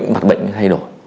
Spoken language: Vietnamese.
mặt bệnh thay đổi